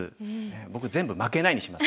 僕「全部負けない」にします